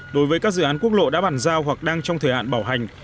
đối với các dự án quốc lộ đã bàn giao hoặc đang trong thời hạn bảo hành